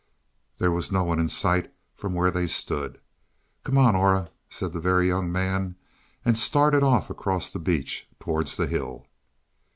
There was no one in sight from where they stood. "Come on, Aura," said the Very Young Man, and started off across the beach towards the hill.